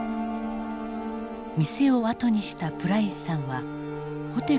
店を後にしたプライスさんはホテルに戻りました。